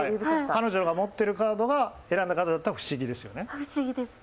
彼女が持ってるカード選んだカードだったら不思議ですよね。